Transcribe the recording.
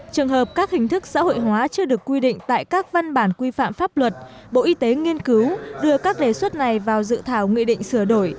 trường hợp các hình thức xã hội hóa chưa được quy định tại các văn bản quy phạm pháp luật bộ y tế nghiên cứu đưa các đề xuất này vào dự thảo nghị định sửa đổi